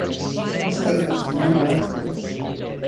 A guest favorite is the Mango ice cream.